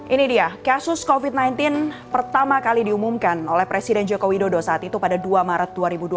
ini dia kasus covid sembilan belas pertama kali diumumkan oleh presiden joko widodo saat itu pada dua maret dua ribu dua puluh